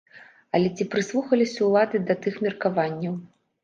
Але ці прыслухаліся ўлады да тых меркаванняў?